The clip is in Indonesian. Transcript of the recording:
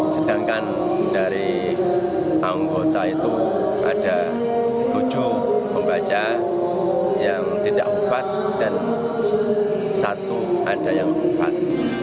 sedangkan dari anggota itu ada tujuh pembaca yang tidak ubat dan satu ada yang empat